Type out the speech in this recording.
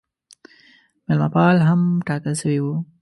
مېلمه پال هم ټاکل سوی وو.